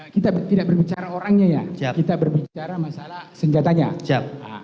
kita berbicara orangnya yang kita berbicara masalah senjatanya siap siap